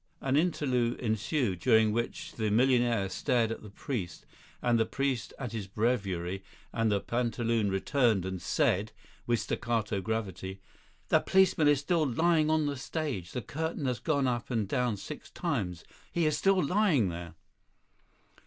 An interlude ensued, during which the millionaire stared at the priest, and the priest at his breviary; then the pantaloon returned and said, with staccato gravity, "The policeman is still lying on the stage. The curtain has gone up and down six times; he is still lying there."